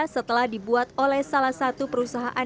setelah dibuat oleh salah satu perusahaan